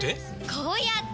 こうやって！